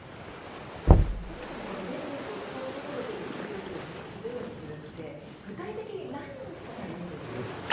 でもそもそも電力を使うことで出るＣＯ２を実質ゼロにするって具体的に何をしたらいいんですか？